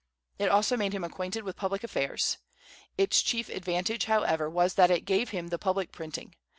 It also made him acquainted with public affairs. Its chief advantage, however, was that it gave him the public printing.